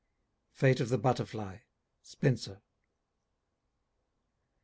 Fate of the Butterfly. SPENSER.